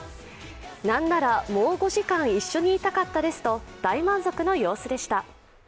なんならもう５時間一緒にいたかったですと大満足の様子でした。